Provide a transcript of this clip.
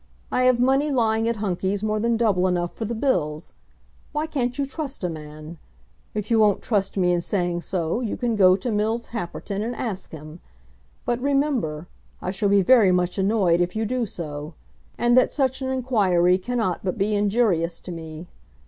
I have money lying at Hunky's more than double enough for the bills. Why can't you trust a man? If you won't trust me in saying so, you can go to Mills Happerton and ask him. But, remember, I shall be very much annoyed if you do so, and that such an inquiry cannot but be injurious to me.